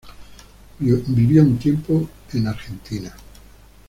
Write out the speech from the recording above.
Vivió un tiempo en Argentina.